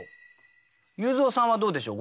裕三さんはどうでしょう。